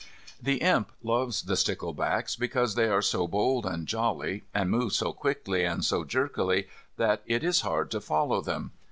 The Imp loves the sticklebacks because they are so bold and jolly and move so quickly and so jerkily that it is hard to follow them.